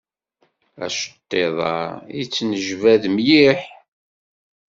Aceṭṭiḍ-a yettnejbad mliḥ.